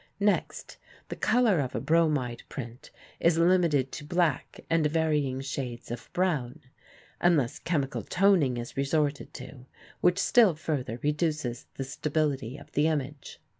Next, the color of a bromide print is limited to black and varying shades of brown, unless chemical toning is resorted to, which still further reduces the stability of the image.